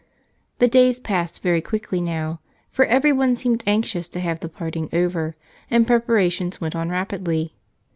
The days passed very quickly now, for everyone seemed anxious to have the parting over and preparations went on rapidly.